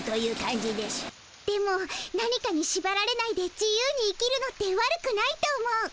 でも何かにしばられないで自由に生きるのって悪くないと思う。